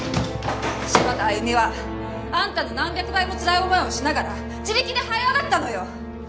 柴田亜弓はあんたの何百倍もつらい思いをしながら自力ではい上がったのよ！